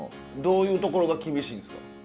どういうところが厳しいんですか？